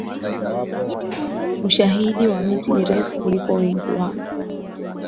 ushahidi wa miti mirefu kuliko Wengi wao